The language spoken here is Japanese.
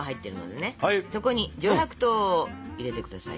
そこに上白糖を入れて下さい。